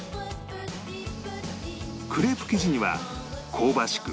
クレープ生地には香ばしく